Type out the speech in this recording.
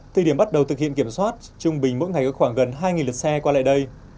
thời điểm bắt đầu thực hiện kiểm soát trung bình mỗi ngày có khoảng gần hai lượt xe qua lại đây